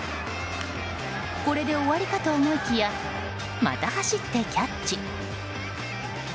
これで終わりかと思いきやまた走ってキャッチ。